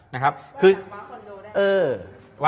เล็กเล็ก